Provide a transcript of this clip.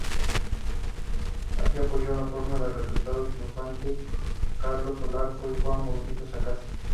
Por entonces se inició su carrera como ensayista.